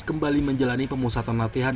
kembali menjalani pemusatan latihan